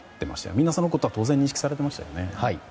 みんなそのことは当然、認識されていましたよね。